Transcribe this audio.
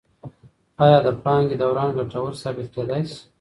ایا د پانګي دوران ګټور ثابت کیدی سي؟